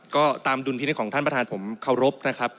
ก็ตามดุลพินิษฐ์ของท่านประธานผมเคารพนะครับ